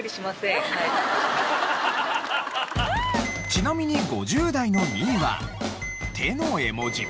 ちなみに５０代の２位は手の絵文字。